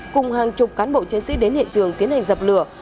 cùng hàng chục cán bộ chiến sĩ đến hiện trường tiến hành dập lửa